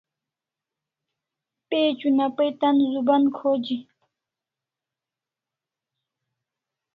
Page una pai tan zuban khoji